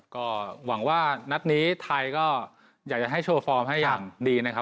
ก็หวังว่านัดนี้ไทยก็อยากจะให้โชว์ฟอร์มให้อย่างดีนะครับ